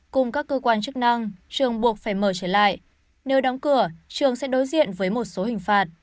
cùng các cơ quan chức năng trường buộc phải mở trở lại nếu đóng cửa trường sẽ đối diện với một số hình phạt